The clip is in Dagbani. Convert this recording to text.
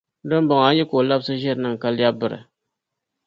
Di ni bɔŋɔ, a nya ka o labisi ʒiri niŋ ka lԑbi biri.